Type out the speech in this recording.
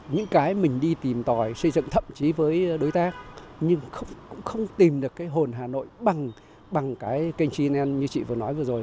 những cái mình đi tìm tòi xây dựng thậm chí với đối tác nhưng cũng không tìm được cái hồn hà nội bằng cái kênh như chị vừa nói vừa rồi